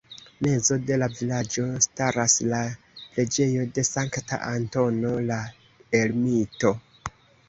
Mezo de la vilaĝo staras la preĝejo de Sankta Antono la Ermito.